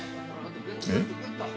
えっ？